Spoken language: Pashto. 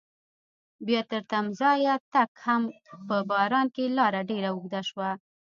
بیا تر تمځایه تګ هغه هم په باران کې لاره ډېره اوږده شوه.